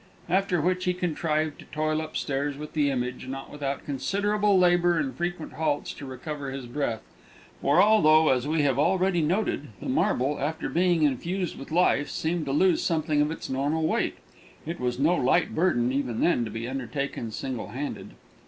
After which he contrived to toil upstairs with the image, not without considerable labour and frequent halts to recover his breath; for although, as we have already noted, the marble, after being infused with life, seemed to lose something of its normal weight, it was no light burden, even then, to be undertaken single handed.